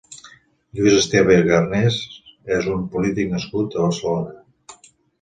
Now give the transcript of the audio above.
Lluís Esteve i Garnés és un polític nascut a Barcelona.